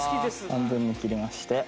半分に切りまして。